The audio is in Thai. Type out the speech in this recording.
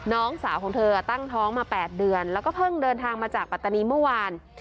น้องสาวของเธอตั้งท้องมา๘เดือนแล้วก็เพิ่งเดินทางมาจากปัตตานีเมื่อวาน